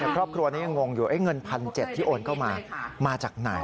ครอบครัวนี้ยังงงอยู่เงิน๑๗๐๐ที่โอนเข้ามามาจากไหน